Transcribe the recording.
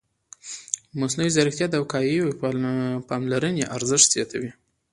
مصنوعي ځیرکتیا د وقایوي پاملرنې ارزښت زیاتوي.